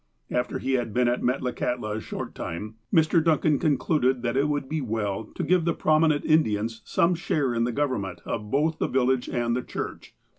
After he had been at Metlakahtla a short time, Mr. Duncan concluded that it would be well to give the prom inent Indians some share in the government of both the village and the church.